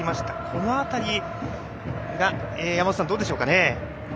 この辺りが山本さんどうでしょうかね。